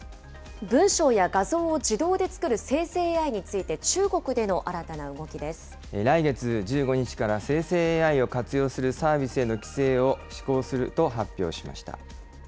文章や画像を自動で作る生成ＡＩについて、来月１５日から、生成ＡＩを活用するサービスへの規制を施行すると発表しました。